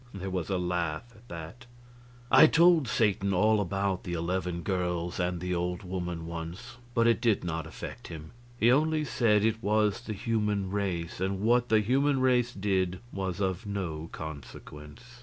There was a laugh at that. I told Satan all about the eleven girls and the old woman, once, but it did not affect him. He only said it was the human race, and what the human race did was of no consequence.